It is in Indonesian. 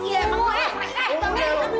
iya kamu enggak encik